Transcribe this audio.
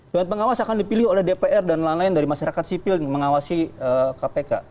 dewan pengawas akan dipilih oleh dpr dan lain lain dari masyarakat sipil mengawasi kpk